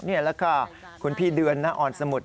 นี่แหละค่ะคุณพี่เดือนอ่อนสมุทร